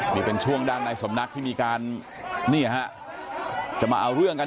นี่เป็นช่วงด้านในสำนักที่มีการนี่ฮะจะมาเอาเรื่องกัน